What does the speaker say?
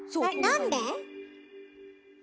なんで？